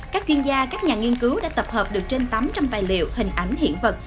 các chuyên gia các nhà nghiên cứu đã tập hợp được trên tám trăm linh tài liệu hình ảnh hiện vật